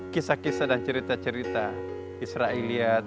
kisah kisah dan cerita cerita israeliat